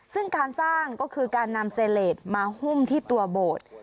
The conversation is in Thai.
ซึ่งการสร้างก็คือการนำเซเลสมาหุ้มที่ตัวโบสถ์